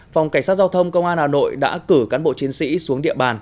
phòng cảnh sát giao thông công an hà nội đã cử cán bộ chiến sĩ xuống địa bàn